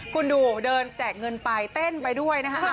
คุณดูเดินแจกเงินไปเต้นไปด้วยนะคะ